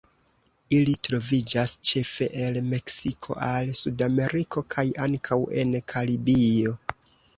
Ili troviĝas ĉefe el Meksiko al Sudameriko kaj ankaŭ en Karibio.